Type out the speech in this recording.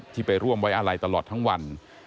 ไปร่วมไว้อาลัยตลอดทั้งวัน